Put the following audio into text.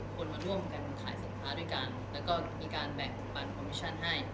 เข้ายพี่เรา